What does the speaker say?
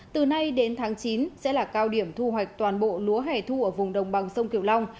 từ nay đến tháng chín sẽ là cao điểm thu hoạch toàn bộ lúa hẻ thu ở vùng đồng bằng sông kiều long